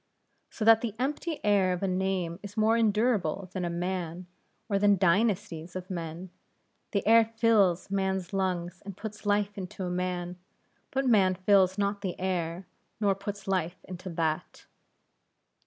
So that the empty air of a name is more endurable than a man, or than dynasties of men; the air fills man's lungs and puts life into a man, but man fills not the air, nor puts life into that.